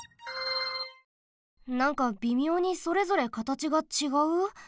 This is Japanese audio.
なんかびみょうにそれぞれかたちがちがう？